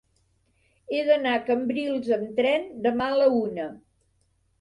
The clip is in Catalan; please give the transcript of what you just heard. He d'anar a Cambrils amb tren demà a la una.